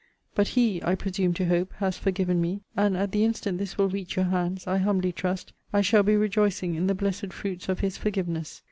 But HE, I presume to hope, has forgiven me; and, at the instant this will reach your hands, I humbly trust, I shall be rejoicing in the blessed fruits of his forgiveness.